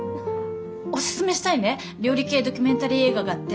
おすすめしたいね料理系ドキュメンタリー映画があって！